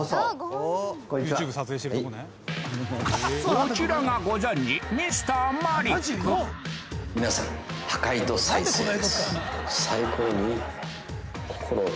こちらがご存じ皆さん破壊と再生です。